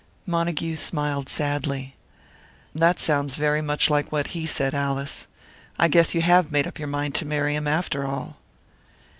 Montague smiled sadly. "That sounds very much like what he said, Alice. I guess you have made up your mind to marry him, after all."